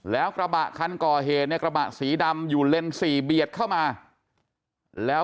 แล้วกระบะคันก่อเหตุเนี่ยกระบะสีดำอยู่เลนส์๔เบียดเข้ามาแล้ว